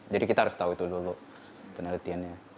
jadi kita harus tahu itu dulu penelitiannya